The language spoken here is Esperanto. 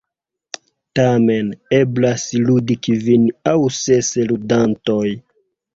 Tamen, eblas ludi kvin aŭ ses ludantoj.